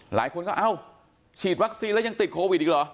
หลายคนก็เอ้าฉีดวัคซีนแล้วยังติดโควิดอีกเหรอ